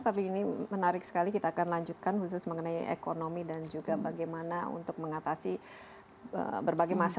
tapi ini menarik sekali kita akan lanjutkan khusus mengenai ekonomi dan juga bagaimana untuk mengatasi berbagai masalah